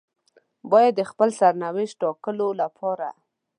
بايد د خپل سرنوشت ټاکلو لپاره.